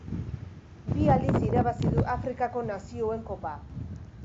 Bi aldiz irabazi du Afrikako Nazioen Kopa.